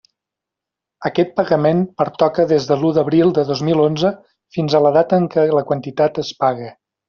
Aquest pagament pertoca des de l'u d'abril de dos mil onze fins a la data en què la quantitat es pague.